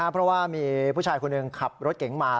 เพราะว่ามีผู้ชายคนหนึ่งขับรถเก๋งมา